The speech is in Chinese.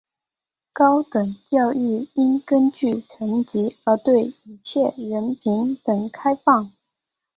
高等教育应根据成绩而对一切人平等开放。